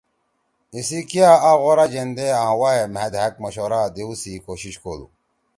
ایِسی کیا آ غورا جیندے آں وائے مھأ دھأک مشورہ دیؤ سی کوشش کودُو